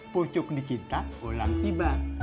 pucuk dicinta ulang tiba